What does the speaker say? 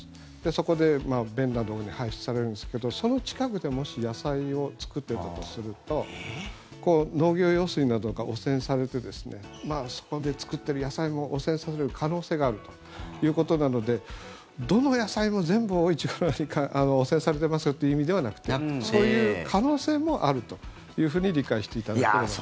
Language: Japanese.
そこで便などで排出されるんですけどその近くでもし野菜を作ってたとすると農業用水などが汚染されてそこで作っている野菜も汚染される可能性があるということなのでどの野菜も全部Ｏ−１５７に汚染されてますよっていう意味ではなくてそういう可能性もあるというふうに理解していただければと思います。